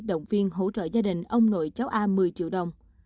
động viên hỗ trợ gia đình ông nội cháu a một mươi triệu đồng